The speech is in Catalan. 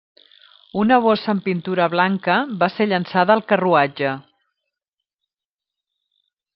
Una bossa amb pintura blanca va ser llançada al carruatge.